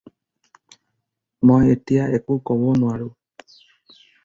মই এতিয়া একো ক'ব নোৱাৰোঁ।